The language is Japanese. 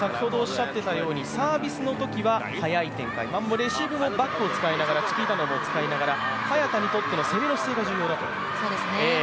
サービスのときは早い展開、レシーブもバックを使いながら、チキータなどを使いながら早田にとっての攻めの姿勢が重要だと？